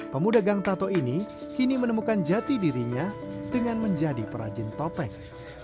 pemuda gang tato ini kini menemukan jati dirinya dengan menjadi perajin topeng